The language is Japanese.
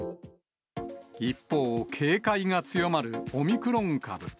一方、警戒が強まるオミクロン株。